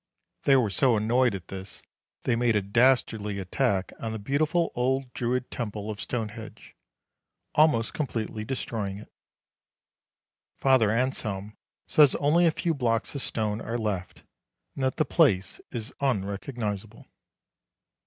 They were so annoyed at this that they made a dastardly attack on the beautiful old Druid Temple of Stonehenge, almost completely destroying it. F. Anselm says only a few blocks of stone are left, and that the place is unrecognisable.